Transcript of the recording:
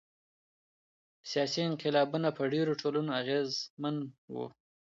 سیاسي انقلابونه په ډیرو ټولنو اغیزمن وو.